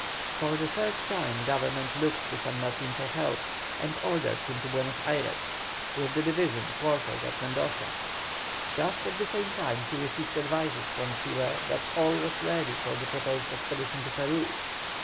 For the third time Government looked to San Martin for help, and ordered him to Buenos Ayres, with the division quartered at Mendoza. Just at the same time he received advices from Chile that all was ready for the proposed expedition to Peru.